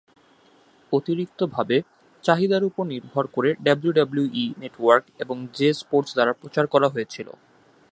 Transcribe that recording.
অতিরিক্ত ভাবে, চাহিদার উপর নির্ভর করে ডাব্লিউডাব্লিউই নেটওয়ার্ক এবং জে স্পোর্টস দ্বারা প্রচার করা হয়েছিল।